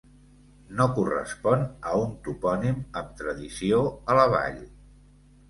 No correspon a un topònim amb tradició a la vall.